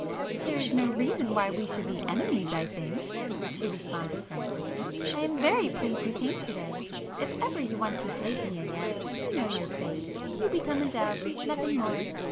"There is no reason why we should be enemies I think," she responded frankly—"I am very pleased you came to day. If ever you want to 'slate' me again, you know your fate!—you become a dove,—nothing more!